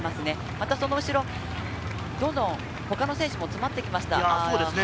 またその後ろ、他の選手も詰まってきました。